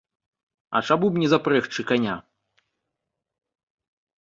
А чаму б не запрэгчы каня?